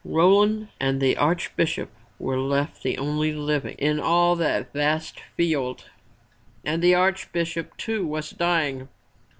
Roland and the Archbishop were left the only living in all that vast field and the Archbishop too was dying.